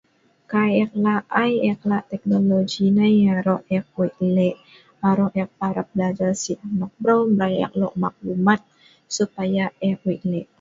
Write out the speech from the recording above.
Kai ek lak aii ek lak teknologi nei arok ek wik lek, arok ek parap belajar sii hnok brew, nei lok maklumat arok arok ek parap belajar sik on hneulok mrai maklumat supaya ek wik lek